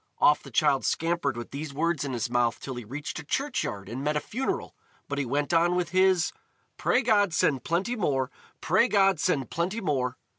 Off the child scampered with these words in his mouth till he reached a churchyard and met a funeral, but he went on with his: "Pray God send plenty more! Pray God send plenty more!"